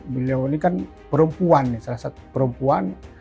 beliau ini kan perempuan nih salah satu perempuan